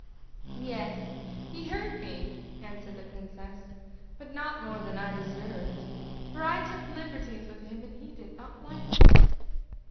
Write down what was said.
"Yes, he hurt me," answered the princess, "but not more than I deserved, for I took liberties with him, and he did not like it."